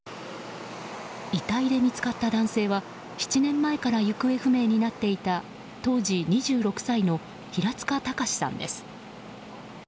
遺体で見つかった男性は７年前から行方不明になっていた当時２６歳の平塚崇さんです。